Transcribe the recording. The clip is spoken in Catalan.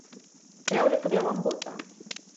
Creure que beu amb bota.